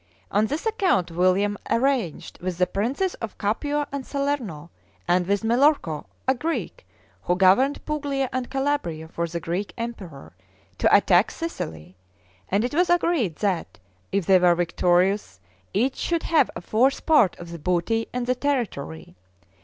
On this account William arranged with the princes of Capua and Salerno, and with Melorco, a Greek, who governed Puglia and Calabria for the Greek emperor, to attack Sicily; and it was agreed that, if they were victorious, each should have a fourth part of the booty and the territory.